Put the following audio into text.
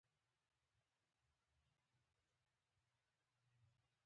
ازادي راډیو د ټرافیکي ستونزې په اړه د پېښو رپوټونه ورکړي.